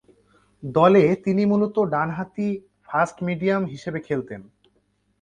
দলে তিনি মূলতঃ ডানহাতি ফাস্ট-মিডিয়াম হিসেবে খেলতেন।